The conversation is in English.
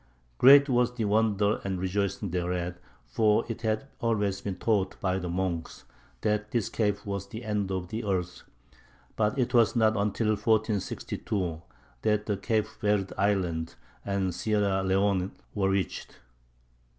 Great was the wonder and rejoicing thereat, for it had always been taught by the monks that this cape was the end of the earth; but it was not until 1462 that the Cape Verd Islands and Sierra Leone were reached.